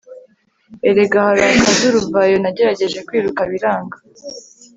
erega hari akaduruvayo nagerageje kwiruka biranga